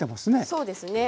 そうですね。